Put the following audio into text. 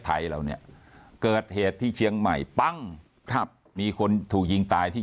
ไทยเราเนี่ยเกิดเหตุที่เชียงใหม่ปั้งครับมีคนถูกยิงตายที่